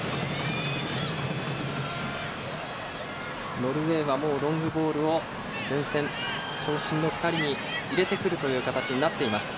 ノルウェーはロングボールは前線の長身の２人に入れてくるという形になっています。